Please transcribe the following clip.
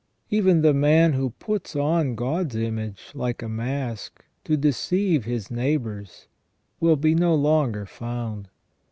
Even the man who puts on God's image, like a mask, to deceive his neighbours, will be no longer found.